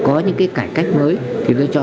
có những cái cải cách mới thì tôi cho